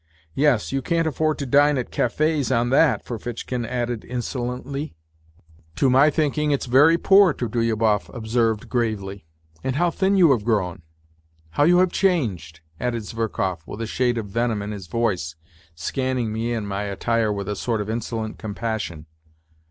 " Yes, you can't afford to dine at cafes on that," Ferfitchkin added insolently. 108 NOTES FROM UNDERGROUND "To my thinking it's very poor," Trudolyiibov observed gravely. " And how thin you have grown ! How you have changed !" added Zverkov, with a shade of venom in his voice, scanning me and my attire with a sort of insolent compassion.